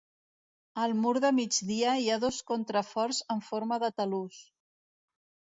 Al mur de migdia hi ha dos contraforts en forma de talús.